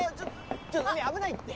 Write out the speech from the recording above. ちょっとうみ危ないって！